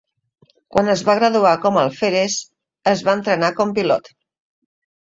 Quan es va graduar com alferes, es va entrenar com pilot.